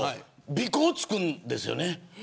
尾行付くんですよね。